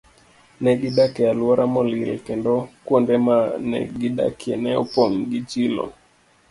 Ne gidak e alwora molil, kendo kuonde ma ne gidakie ne opong' gi chilo.